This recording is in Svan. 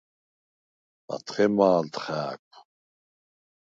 ათხე მა̄ლდ ხა̄̈ქუ̂: